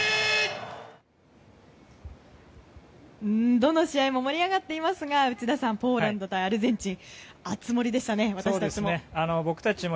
どの試合も盛り上がっていますが内田さんポーランド対アルゼンチン熱盛でしたね、私たちも。